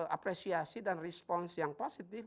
apresiasi dan respons yang positif